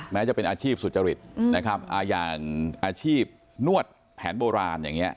แม้จะเป็นอาชีพสุจริตนะครับอย่างอาชีพนวดแผนโบราณอย่างนี้